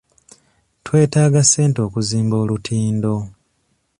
Twetaaga ssente okuzimba olutindo.